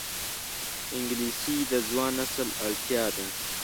انګلیسي د ځوان نسل اړتیا ده